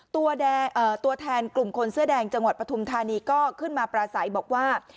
ตัวแทนกลุ่มคนเสื้อแดงจังหวัดปฐุมธานีก็ขึ้นมาปราศัยบอกว่า